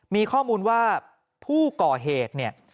มีข้อมูลว่าผู้ก่อเหตุเนี่ย